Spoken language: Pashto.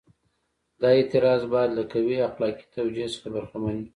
دا اعتراض باید له قوي اخلاقي توجیه څخه برخمن وي.